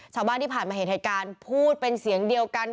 ชาวบ้านที่ผ่านมาเห็นเหตุการณ์พูดเป็นเสียงเดียวกัน